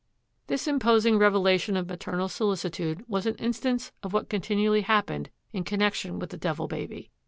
This imposing revelation of maternal solicitude was an instance of what continually happened in connection with the Devil Baby.